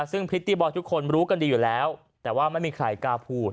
ซึ่งพริตตี้บอลทุกคนรู้กันดีอยู่แล้วแต่ว่าไม่มีใครกล้าพูด